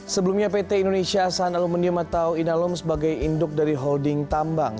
sebelumnya pt indonesia san aluminium atau inalum sebagai induk dari holding tambang